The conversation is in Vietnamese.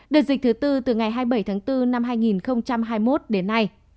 đợt dịch thứ tư từ ngày hai mươi bảy tháng bốn năm hai nghìn hai mươi một đến nay